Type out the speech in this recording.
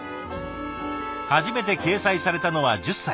初めて掲載されたのは１０歳。